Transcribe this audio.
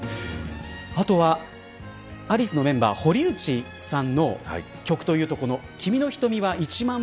あとはアリスのメンバーの堀内さんの曲というと、こちらです。